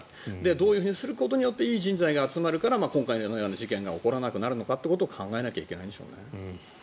どういうふうにすることによっていい人材が集まるから今回のような事件が起こらなくなるかっていうことを考えなきゃいけないんでしょうね。